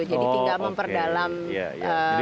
jadi tinggal memperdalam prenatal postnatal